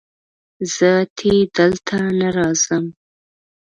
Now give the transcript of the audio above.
زه اتي دلته نه راځم